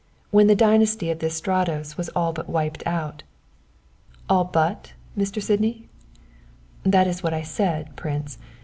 When the dynasty of the Estratos was all but wiped out " "All but, Mr. Sydney?" "That is what I said, prince.